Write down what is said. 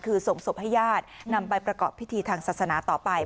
คือส่งศพให้ญาตินำไปประกอบพิธีทางศาสนาต่อไป